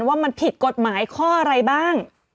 ว่ามันผิดกฎหมายข้ออะไรบ้าง